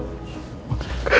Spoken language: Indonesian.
kamu mau beri alih alih